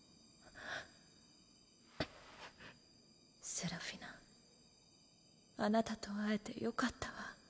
セラフィナあなたと会えてよかったわ。